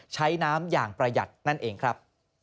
ใช้น้ำอย่างประหยัดนั่นเองครับ